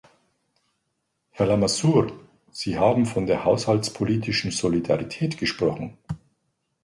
Herr Lamassoure, Sie haben von der haushaltspolitischen Solidarität gesprochen.